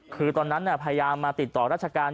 คือตอนนั้นพยายามมาติดต่อราชการ